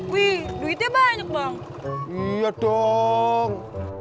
wih duitnya banyak bang iya dong